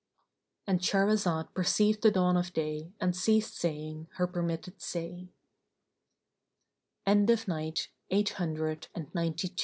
"—And Shahrazad perceived the dawn of day and ceased saying her permitted say. When it was the Eight Hundred and Ninety third N